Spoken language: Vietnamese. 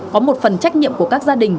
có một phần trách nhiệm của các gia đình